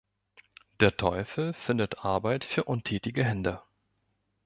Der Teufel findet Arbeit für untätige Hände.